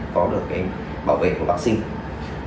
có được cái bảo vệ của vaccine